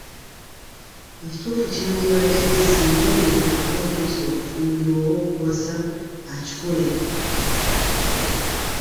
Ekituufu kyandibadde nti singa omuntu oba otuuse okufumbirwa oba okuwasa, akikole.